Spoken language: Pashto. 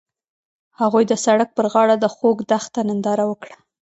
هغوی د سړک پر غاړه د خوږ دښته ننداره وکړه.